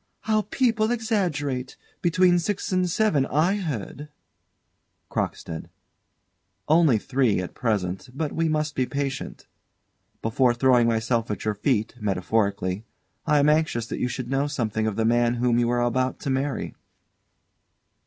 _] How people exaggerate! Between six and seven, I heard. CROCKSTEAD. Only three at present, but we must be patient. Before throwing myself at your feet, metaphorically, I am anxious that you should know something of the man whom you are about to marry.